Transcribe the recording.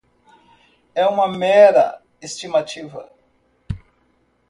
É uma mera estimativa.